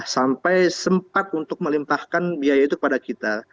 sampai sempat untuk melimpahkan biaya itu kepada kita